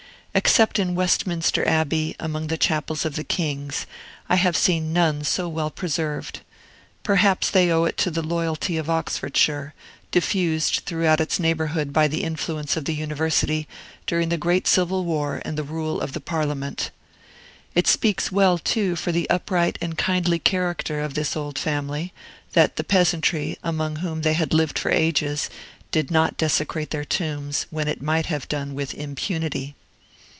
Except in Westminster Abbey, among the chapels of the kings, I have seen none so well preserved. Perhaps they owe it to the loyalty of Oxfordshire, diffused throughout its neighborhood by the influence of the University, during the great Civil War and the rule of the Parliament. It speaks well, too, for the upright and kindly character of this old family, that the peasantry, among whom they had lived for ages, did not desecrate their tombs, when it might have been done with impunity.